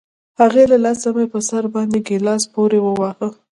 د هغې له لاسه مې په سر باندې گيلاس پورې وواهه.